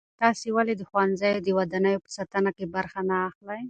تاسې ولې د ښوونځیو د ودانیو په ساتنه کې برخه نه اخلئ؟